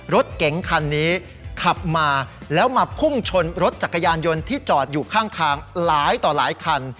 รถเก๋งคันนี้ขับมาแล้วมาพุ่งชนรถจักรยานยนต์ที่จอดอยู่ข้างทางหลายต่อหลายคัน